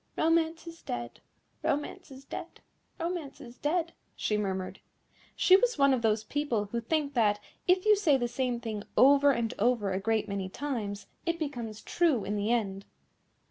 "Romance is dead, Romance is dead, Romance is dead," she murmured. She was one of those people who think that, if you say the same thing over and over a great many times, it becomes true in the end.